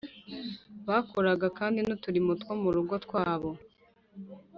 bakoraga kandi n’uturimo two mu rugo rwabo,